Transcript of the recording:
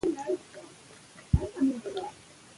نفت د افغانستان د اقتصادي ودې لپاره ارزښت لري.